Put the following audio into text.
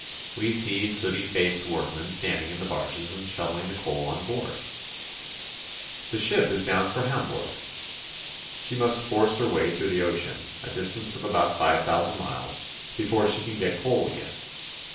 We see sooty faced workmen standing in the barges and shoveling the coal on board. The ship is bound for Hamburg. She must force her way through the ocean, a distance of about five thousand miles, before she can get coal again.